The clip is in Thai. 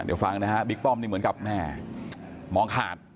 เดี๋ยวฟังนะฮะบิ๊กป้อมนี่เหมือนกับแม่มองขาด